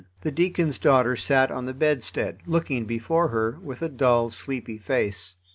The deacon's daughter sat on the bedstead, looking before her, with a dull, sleepy face.